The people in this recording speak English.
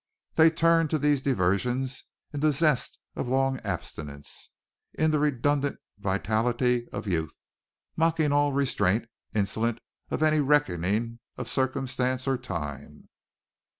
They turned to these diversions in the zest of long abstinence, in the redundant vitality of youth, mocking all restraint, insolent of any reckoning of circumstance or time.